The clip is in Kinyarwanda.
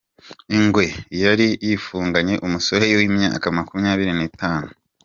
Ingwe yari yivuganye umusore w’imyaka Makumyabiri Nitanu